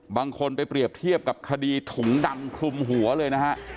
บางคนไปเปรียบเทียบกับคดีถุงดำคลุมหัวเลยนะฮะ